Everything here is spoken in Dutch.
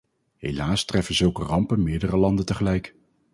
Helaas treffen zulke rampen meerdere landen tegelijk.